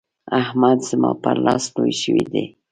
احمد زما پر لاس لوی شوی دی.